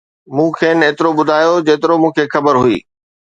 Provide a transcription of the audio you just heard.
مون کين ايترو ٻڌايو، جيترو مون کي خبر هئي